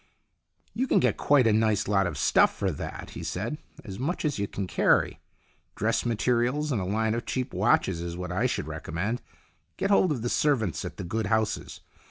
" You can get quite a nice lot of stuff for that," he said. "As much as you can carry. Dress materials and a line of cheap watches is what I should recommend. Get hold of the servants at the good houses.